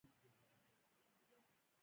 د باغدارۍ سکتور د ودې په حال کې دی.